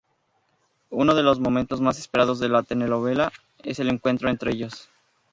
Uno de los momentos más esperados de la telenovela es el encuentro entre ellos.